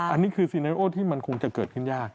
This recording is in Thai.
อันนี้คือซีเนโอที่มันคงจะเกิดขึ้นยาก